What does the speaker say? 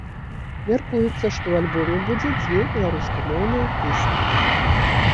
Мяркуецца, што ў альбоме будзе дзве беларускамоўныя песні.